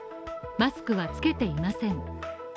マスクはつけていません。